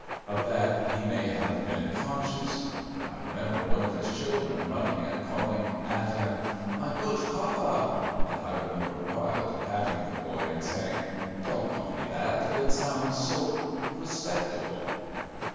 Of that he may have been conscious. I remember one of his children running and calling at him: "My good papa!" and I remember Wilde patting the boy and saying: "Don't call me that, it sounds so respectable."